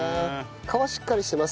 皮しっかりしてますもんね。